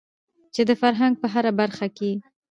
چې د فرهنګ په هره برخه کې يې